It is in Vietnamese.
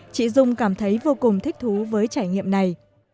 chị dung cảm thấy vô cùng thích thú với trải nghiệm này